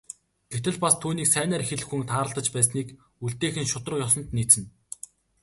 Гэтэл бас түүнийг сайнаар хэлэх хүн тааралдаж байсныг үлдээх нь шударга ёсонд нийцнэ.